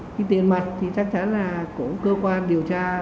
cái tiền mặt thì chắc chắn là của cơ quan điều tra